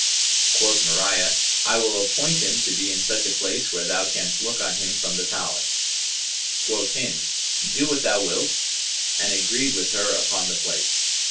Quoth Mariyah, "I will appoint him to be in such a place, where thou canst look on him from the palace." Quoth Hind, "Do what thou wilt," and agreed with her upon the place.